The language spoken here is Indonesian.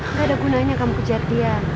nggak ada gunanya kamu kejar dia